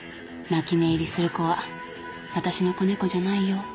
泣き寝入りする子は私の子猫じゃないよ。